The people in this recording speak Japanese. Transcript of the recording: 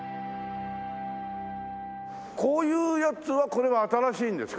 こういうやつはこれは新しいんですか？